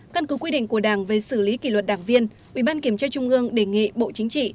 căn cứ quy định của đảng về xử lý kỷ luật đảng viên ủy ban kiểm tra trung ương đề nghị bộ chính trị